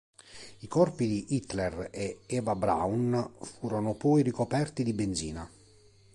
I corpi di Hitler e Eva Braun furono poi ricoperti di benzina.